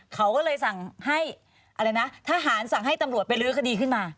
เขาก็เลยสั่งให้อะไรนะทหารสั่งให้ตำรวจไปลื้อคดีขึ้นมา